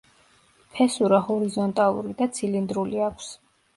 ფესურა ჰორიზონტალური და ცილინდრული აქვს.